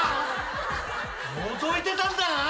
のぞいてたんだな！